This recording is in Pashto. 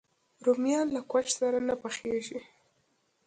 رومیان له کوچ سره نه پخېږي